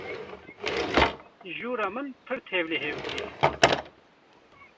Jûra min pir tevlihev bûye.